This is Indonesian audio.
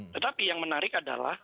tetapi yang menarik adalah